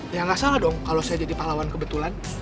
ya nggak salah dong kalau saya jadi pahlawan kebetulan